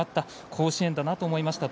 甲子園だなと思いました。